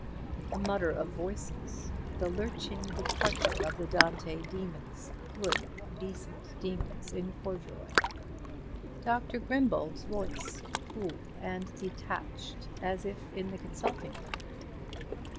A mutter of voices. The lurching departure of the Dante demons—good, decent demons in corduroy. Dr. Grimbold's voice—cool and detached as if in the consulting room.